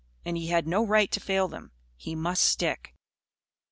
And he had no right to fail them. He must stick.